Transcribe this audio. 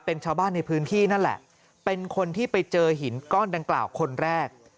เป็นชาวบ้านในพื้นที่นั่นแหละเป็นคนที่ไปเจอหินก้อนดังกล่าวคนแรก